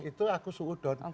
itu aku sudut